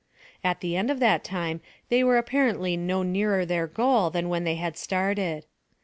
At the end of that time they were apparently no nearer their goal than when they had started.